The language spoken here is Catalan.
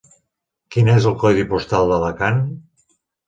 Quin és el codi postal d'Alacant?